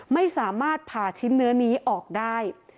ไม่สามารถผ่าชิ้นเนื้อนี้ออกได้